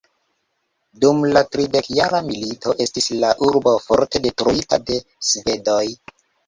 Dum la tridekjara milito estis la urbo forte detruita de svedoj.